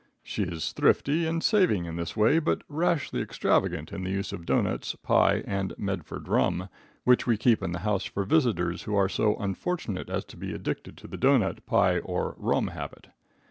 She is thrifty and saving in this way, but rashly extravagant in the use of doughnuts, pie and Medford rum, which we keep in the house for visitors who are so unfortunate as to be addicted to the doughnut, pie or rum habit.